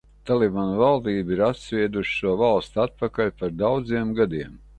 Taliban valdība ir atsviedusi šo valsti atpakaļ par daudziem gadiem.